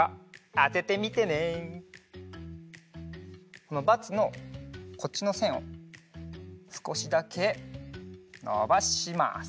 このバツのこっちのせんをすこしだけのばします。